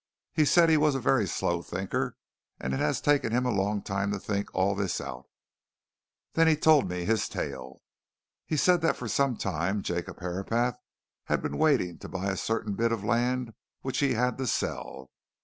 He said he was a very slow thinker, and it had taken him a long time to think all this out. Then he told me his tale. He said that for some time Jacob Herapath had been waiting to buy a certain bit of land which he had to sell.